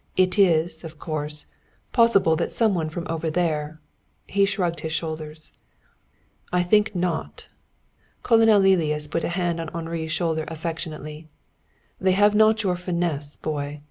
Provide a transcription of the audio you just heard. "It is, of course, possible that some one from over there " He shrugged his shoulders. "I think not." Colonel Lilias put a hand on Henri's shoulder affectionately. "They have not your finesse, boy.